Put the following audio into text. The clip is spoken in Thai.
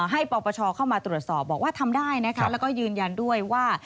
ปปชเข้ามาตรวจสอบบอกว่าทำได้นะคะแล้วก็ยืนยันด้วยว่า